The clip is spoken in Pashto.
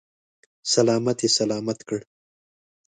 سلامت یې سلامت کړ.